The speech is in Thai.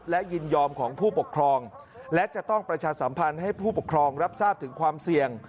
และยินยอมของผู้ปกครองและจะต้องประชาสัมพันธ์ให้ผู้ปกครองรับทราบถึงความเสี่ยง